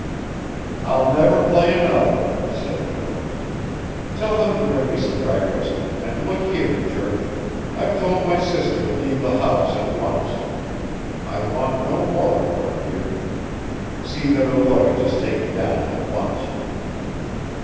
"I'll never play another," said Jones. "Tell them to bring me some breakfast, and look here, Church, I've told my sister to leave the house at once. I want no more of her here. See that her luggage is taken down at once."